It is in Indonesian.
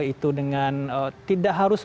itu dengan tidak harus